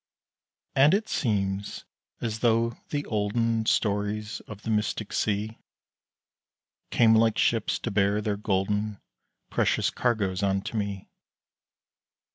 And it seems as though the olden Stories of the mystic sea Came like ships to bear their golden, Precious cargoes unto me.